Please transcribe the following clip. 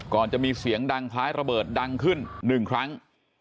จะมีเสียงดังคล้ายระเบิดดังขึ้นหนึ่งครั้ง